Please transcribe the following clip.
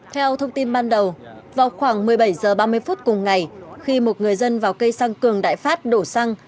theo thông tin ban đầu vào khoảng một mươi bảy h ba mươi phút cùng ngày khi một người dân vào cây xăng cường đại phát đổ xăng